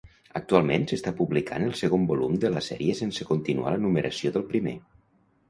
Actualment, s'està publicant el segon volum de la sèrie sense continuar la numeració del primer.